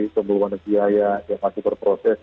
pemeluan biaya yang masih berproses